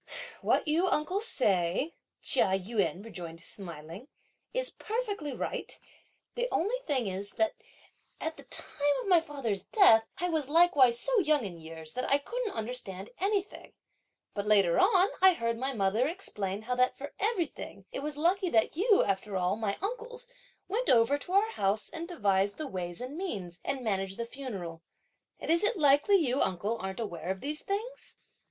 "What you, uncle, say," Chia Yun rejoined smiling, "is perfectly right; the only thing is that at the time of my father's death, I was likewise so young in years that I couldn't understand anything; but later on, I heard my mother explain how that for everything, it was lucky that you, after all, my uncles, went over to our house and devised the ways and means, and managed the funeral; and is it likely you, uncle, aren't aware of these things?